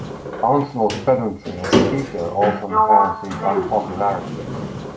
Onslow's pedantry as Speaker also enhanced his unpopularity.